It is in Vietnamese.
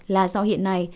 là do hiện nay